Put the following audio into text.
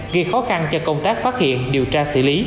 gây khó khăn cho công tác phát hiện điều tra